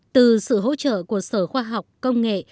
từ sự hỗ trợ của sở khoa học công nghệ